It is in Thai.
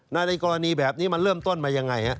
ในกรณีแบบนี้มันเริ่มต้นมายังไงฮะ